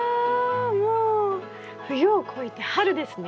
もう冬を越えて春ですね。